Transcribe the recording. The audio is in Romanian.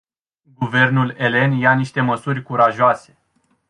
Guvernul elen ia niște măsuri curajoase.